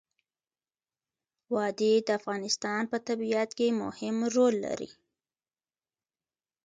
وادي د افغانستان په طبیعت کې مهم رول لري.